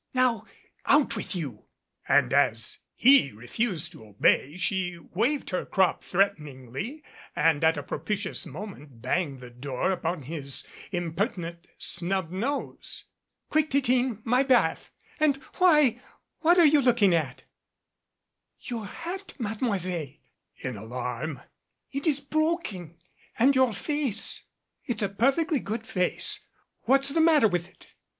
"Now out with you!" And as he refused to obey she waved her crop threateningly and at a propitious moment banged the door upon his impertinent snub nose. "Quick, Titine, my bath and why, what are you look ing at?" "Your hat, Mademoiselle," in alarm, "it is broken, and your face " "It's a perfectly good face. What's the matter with it?"